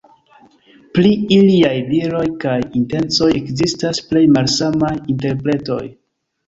Pri iliaj diroj kaj intencoj ekzistas plej malsamaj interpretoj.